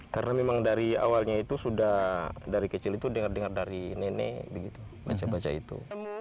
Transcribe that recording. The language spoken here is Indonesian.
karena memang dari awalnya itu sudah dari kecil itu dengar dengar dari nenek baca baca itu